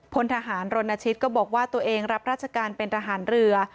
พลทหารรณชิตก็บอกว่าตัวเองรับราชการเป็นทหารเรือ